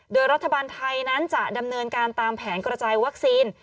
โดยรัฐบาลไทยนั้นจะดำเนินการตามแผนกระจายวัคซีน